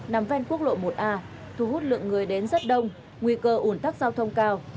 nằm ven quốc lộ một a thu hút lượng người đến rất đông nguy cơ ủn tắc giao thông cao